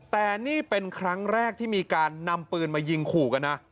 แต่นี่เป็นครั้งแรกที่มีการนำปืนมายิงขู่กันนะ